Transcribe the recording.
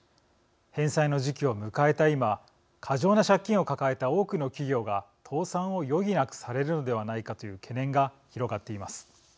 返済の時期を迎えた今過剰な借金を抱えた多くの企業が倒産を余儀なくされるのではないかという懸念が広がっています。